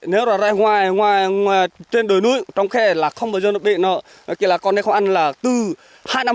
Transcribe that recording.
nếu là rãi ngoài trên đồi núi trong khe là không bao giờ được bị nó còn đây không ăn là từ hai năm